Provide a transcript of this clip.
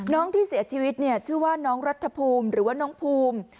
น้องที่เสียชีวิตเนี่ยชื่อว่าน้องรัฐภูมิหรือว่าน้องภูมิ